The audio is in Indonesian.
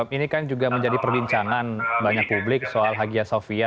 ini kan juga menjadi perbincangan banyak publik soal hagia sofia